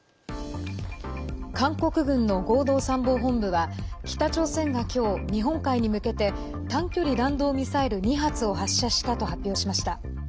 韓国軍の合同参謀本部は北朝鮮が今日、日本海に向けて短距離弾道ミサイル２発を発射したと発表しました。